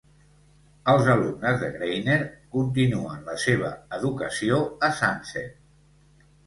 Els alumnes de Greiner continuen la seva educació a Sunset.